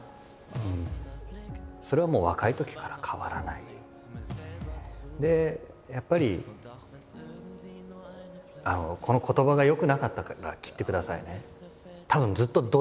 いやあ何かでやっぱりこの言葉が良くなかったら切ってくださいね。